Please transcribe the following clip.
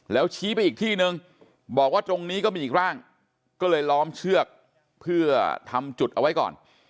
แล้วชี้ไปอีกที่นึงบอกว่าตรงนี้ก็มีอีกร่างก็เลยล้อมเชือกเพื่อทำจุดเอาไว้ก่อน